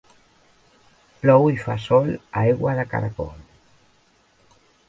Plou i fa sol, aigua de caragol.